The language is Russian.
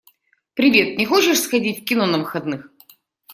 Привет, не хочешь сходить в кино на выходных?